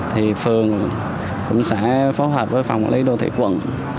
thì phường cũng sẽ phóng hợp với phòng lý đô thị quận